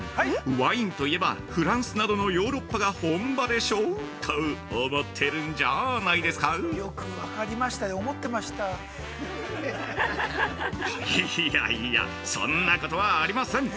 ワインといえば、フランスなどのヨーロッパが本場でしょ！？と思ってるんじゃあないですかいやいやそんなことはありません。